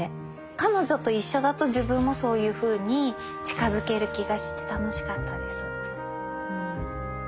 彼女と一緒だと自分もそういうふうに近づける気がして楽しかったです。